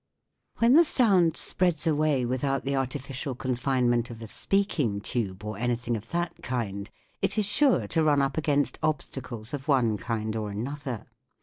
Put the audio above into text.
When the sound spreads away without the artificial confinement of a speaking tube or any thing of that kind it is sure to run up against obstacles of one kind or another.